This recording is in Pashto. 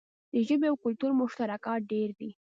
د ژبې او کلتور مشترکات ډیر دي.